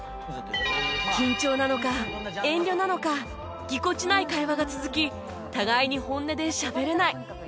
緊張なのか遠慮なのかぎこちない会話が続き互いに本音でしゃべれない